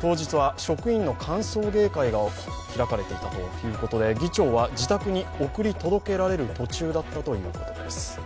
当日は職員の歓送迎会が開かれていたということで議長は自宅に送り届けられる途中だったということです。